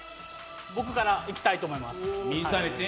僕からいきたいと思います。